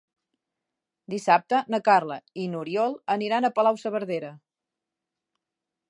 Dissabte na Carla i n'Oriol aniran a Palau-saverdera.